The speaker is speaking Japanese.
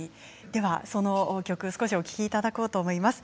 その曲少しお聴きいただこうと思います。